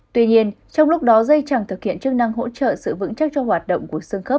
tuy nhiên trong lúc đó dây chẳng thực hiện chức năng hỗ trợ sự vững chắc cho hoạt động của sương khớ